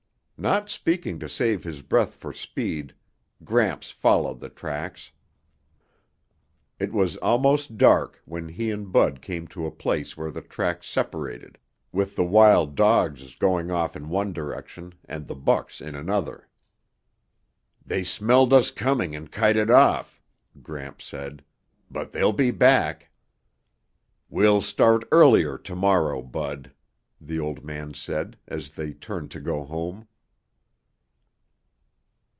Not speaking to save his breath for speed, Gramps followed the tracks. It was almost dark when he and Bud came to a place where the tracks separated, with the wild dogs' going off in one direction and the buck's in another. "They smelled us coming and kited off," Gramps said. "But they'll be back. "We'll start earlier tomorrow, Bud," the old man said as they turned to go home.